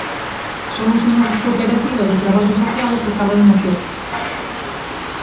Somos unha cooperativa de traballo asociado que acaba de nacer.